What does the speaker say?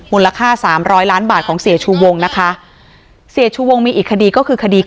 มูลค่าสามร้อยล้านบาทของเสียชูวงนะคะเสียชูวงมีอีกคดีก็คือคดี